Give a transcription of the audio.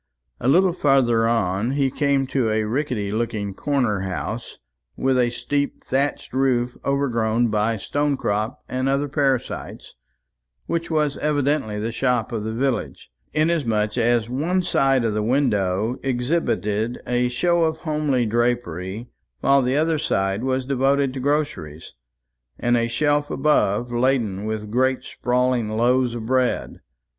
A little farther on, he came to a rickety looking corner house, with a steep thatched roof overgrown by stonecrop and other parasites, which was evidently the shop of the village, inasmuch as one side of the window exhibited a show of homely drapery, while the other side was devoted to groceries, and a shelf above laden with great sprawling loaves of bread.